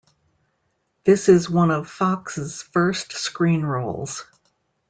This is one of Fox's first screen roles.